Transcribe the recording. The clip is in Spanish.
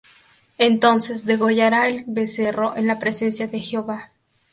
Entonces degollará el becerro en la presencia de Jehová;